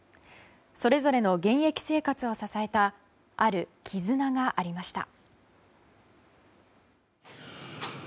それぞれの現役生活を支えたある絆がありました。